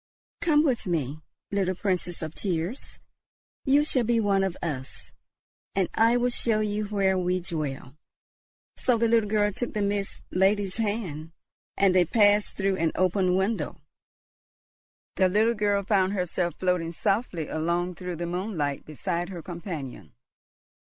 Come with me, little Princess of tears; you shall be one of us, and I will show you where we dwell." So the little girl took the Mist Lady's hand, and they passed through an open window. The little girl found herself floating softly along through the moonlight beside her companion.